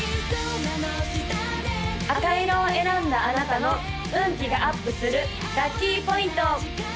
赤色を選んだあなたの運気がアップするラッキーポイント！